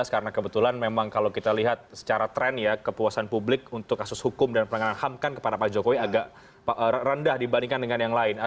karena kebetulan memang kalau kita lihat secara trend ya kepuasan publik untuk kasus hukum dan pelanggaran ham kan kepada pak jokowi agak rendah dibandingkan dengan yang lain